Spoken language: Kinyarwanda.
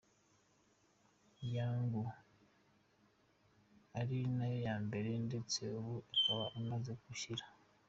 yangu ari nayo ya mbere ndetse ubu akaba yamaze gushyira.